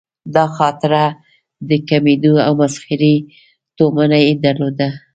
دا خاطره د کومیډي او مسخرې تومنه یې درلوده.